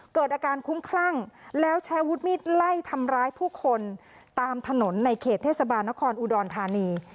เกิดอาการคุ้มคลั่งแล้วใช้วุฒิมีดไล่ทำร้ายผู้คนตามถนนในเขตเทศบาลนครอุดรธานี